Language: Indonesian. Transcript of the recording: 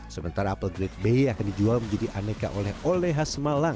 sementara apel grade b akan dijual menjadi aneka oleh olehas malang